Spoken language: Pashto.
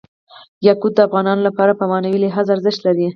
یاقوت د افغانانو لپاره په معنوي لحاظ ارزښت لري.